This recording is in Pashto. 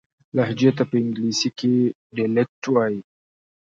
لهجې ته په انګلیسي کښي Dialect وایي.